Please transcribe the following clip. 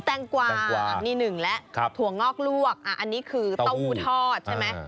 แต้งกวานี่นึงและถั่วงอกลวกอันนี้คือเต้าทอดใช่มั้ย